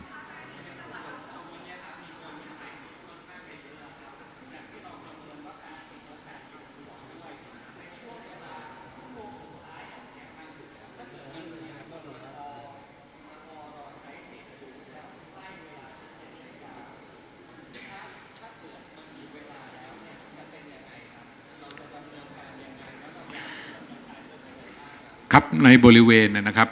คอครับในบริเวณนะครับ